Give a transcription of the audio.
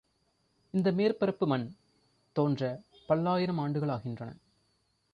இந்த மேற்பரப்பு மண் தோன்றப் பல்லாயிரம் ஆண்டுகளாகின்றன.